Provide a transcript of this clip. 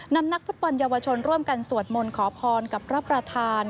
นักฟุตบอลเยาวชนร่วมกันสวดมนต์ขอพรกับพระประธาน